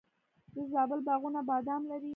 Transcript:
د زابل باغونه بادام لري.